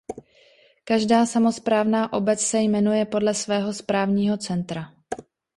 Každá samosprávná obec se jmenuje podle svého správního centra.